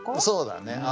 そうだね。